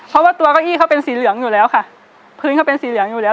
เพราะว่าตัวเก้าอี้เขาเป็นสีเหลืองอยู่แล้วค่ะพื้นเขาเป็นสีเหลืองอยู่แล้ว